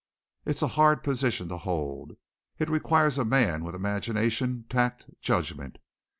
It's a hard position to hold. It requires a man with imagination, tact, judgment.